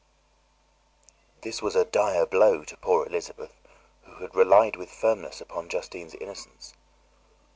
This was a dire blow to poor Elizabeth, who had relied with firmness upon Justine's innocence.